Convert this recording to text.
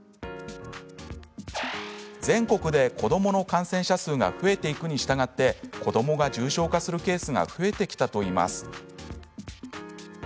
全国で子どもの感染者数が増えていくにしたがって子どもが重症化するケースが増えてきたといいます。